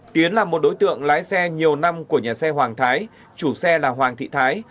tiến là một đối tượng lái xe nhiều năm của nhà xe hoàng thái chủ xe là hoàng thị thái